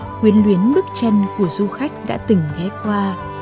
nguyên luyến bức tranh của du khách đã từng ghé qua